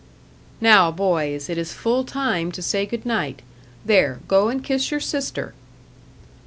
"Now, boys it is full time to say good night. There, go and kiss your sister."